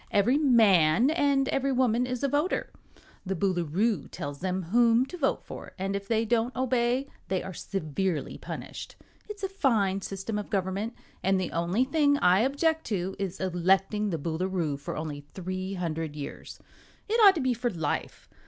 Every man and every woman is a voter. The Boolooroo tells them whom to vote for, and if they don't obey they are severely punished. It's a fine system of government, and the only thing I object to is electing the Boolooroo for only three hundred years. It ought to be for life.